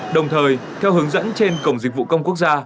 đồng thời theo hướng dẫn trên cổng dịch vụ công quốc gia